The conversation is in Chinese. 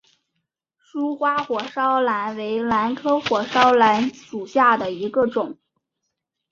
疏花火烧兰为兰科火烧兰属下的一个种。